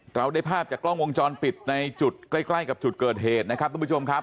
เราได้ภาพจากกล้องวงจรปิดในจุดใกล้ใกล้กับจุดเกิดเหตุนะครับทุกผู้ชมครับ